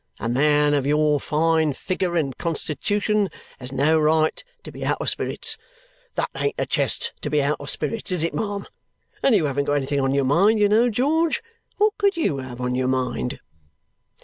A man of your fine figure and constitution has no right to be out of spirits. That ain't a chest to be out of spirits, is it, ma'am? And you haven't got anything on your mind, you know, George; what could you have on your mind!"